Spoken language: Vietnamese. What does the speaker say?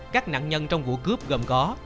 các nạn nhân trong vụ cướp gồm có